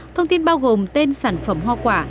thông tin bao gồm tên sản phẩm hoa quả